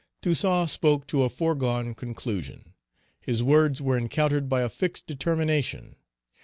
Toussaint spoke to a foregone conclusion; his words were encountered by a fixed determination.